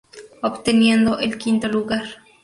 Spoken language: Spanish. Obteniendo el quinto lugar.